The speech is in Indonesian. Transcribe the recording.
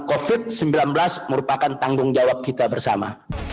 covid sembilan belas merupakan tanggung jawab kita bersama